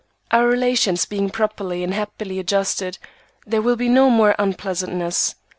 Our relations being properly and happily adjusted, there will be no more "unpleasantness."